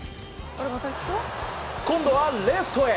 今度はレフトへ！